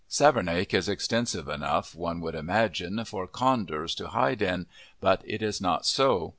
Savernake is extensive enough, one would imagine, for condors to hide in, but it is not so.